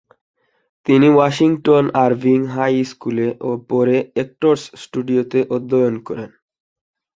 তিনি Washington Irving high স্কুলে ও পরে অ্যাক্টরস স্টুডিওতে অধ্যয়ন করেন।